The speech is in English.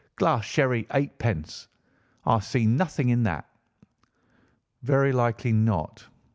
glass sherry, 8_d_.' I see nothing in that." "Very likely not.